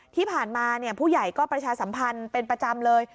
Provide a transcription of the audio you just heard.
ที่ผ่านมาผู้ใหญ่ก็ประชาสัมพันธ์เป็นประจำเลย